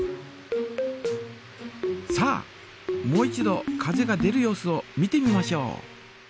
さあもう一度風が出る様子を見てみましょう。